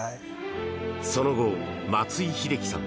その後、松井秀喜さん